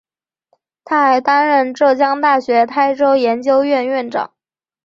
他还担任浙江大学台州研究院院长。